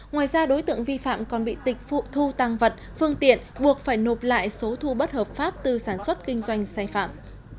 ngoài ra đối tượng vi phạm còn bị tịch phụ thu tăng vật phương tiện buộc phải nộp lại số thu bất hợp pháp từ sản xuất kinh doanh sai phạm